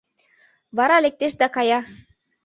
Вара лектеш да кая.